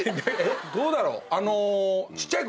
どうだろう。